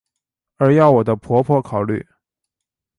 而要我的婆婆考虑！